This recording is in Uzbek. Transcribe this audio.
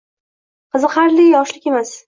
Qiziqarli yoshlik emas